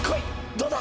どうだ！